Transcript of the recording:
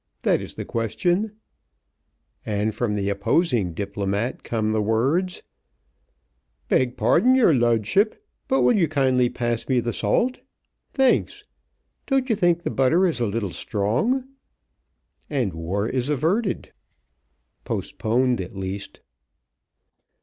That is the question," and from the opposing diplomat come the words, "Beg pardon, your ludship, but will you kindly pass me the salt? Thanks! Don't you think the butter is a little strong?" and war is averted. Postponed, at least.